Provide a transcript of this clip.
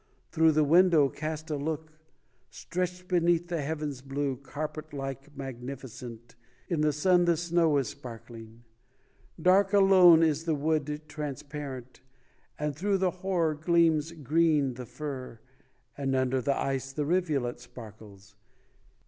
. thro' the window cast a look Stretched beneath the heavens blue Carpet like magnificent In the sun the snow is sparkling; Dark alone is the wood transparent, And thro' the hoar gleams green the fir, And under the ice the rivulet sparkles.